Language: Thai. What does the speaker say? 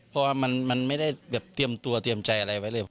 เพราะว่ามันไม่ได้แบบเตรียมตัวเตรียมใจอะไรไว้เลย